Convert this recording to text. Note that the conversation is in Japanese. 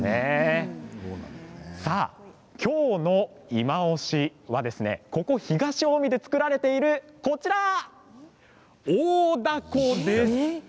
今日のいまオシは東近江で作られている大だこです。